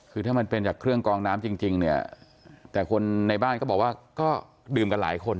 คือถ้ามันเป็นจากเครื่องกองน้ำจริงเนี่ยแต่คนในบ้านก็บอกว่าก็ดื่มกันหลายคน